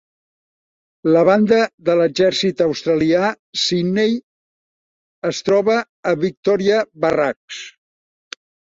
La banda de l'exèrcit australià Sydney es troba a Victoria Barracks.